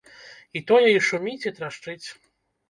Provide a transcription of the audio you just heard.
І тое, і шуміць, і трашчыць.